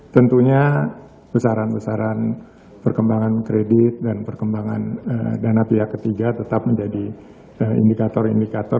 tentunya besaran besaran perkembangan kredit dan perkembangan dana pihak ketiga tetap menjadi indikator indikator